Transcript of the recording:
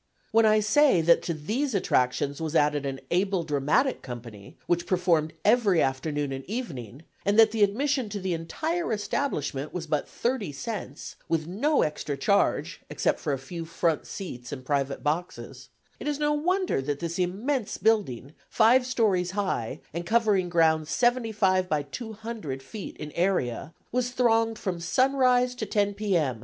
When I say that to these attractions was added an able dramatic company, which performed every afternoon and evening, and that the admission to the entire establishment was but thirty cents, with no extra charge, except for a few front seats and private boxes, it is no wonder that this immense building, five stories high, and covering ground seventy five by two hundred feet in area, was thronged "from sunrise to ten P. M.